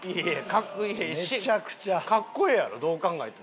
格好ええやろどう考えてもな。